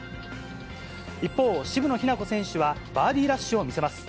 一方、渋野日向子選手はバーディーラッシュを見せます。